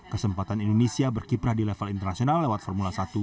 kesempatan indonesia berkiprah di level internasional lewat formula satu